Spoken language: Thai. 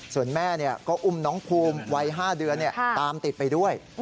ส่วนแม่ก็อุ้มน้องภูมิวัย๕เดือนตามติดไปด้วย